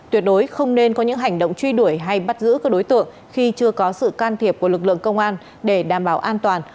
tuyệt đối không nên có những hành động truy đuổi hay bắt giữ các đối tượng khi chưa có sự can thiệp của lực lượng công an để đảm bảo an toàn